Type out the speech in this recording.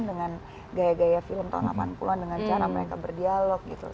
dengan gaya gaya film tahun delapan puluh an dengan cara mereka berdialog gitu